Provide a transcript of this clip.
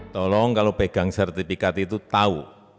tolong kalau pegang sertifikat itu tahu